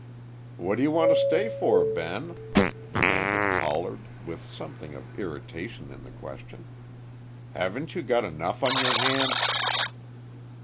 "What do you want to stay for, Ben?" demanded Pollard with something of irritation in the question. "Haven't you got enough on your hands...."